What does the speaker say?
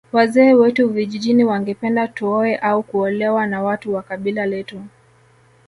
Wazee wetu vijijini wangependa tuoe au kuolewa na watu wa kabila letu